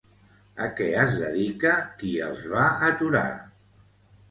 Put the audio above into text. A què es dedica qui els va aturar?